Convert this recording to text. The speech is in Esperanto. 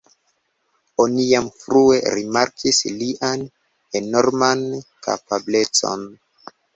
Oni jam frue rimarkis lian enorman kapablecon.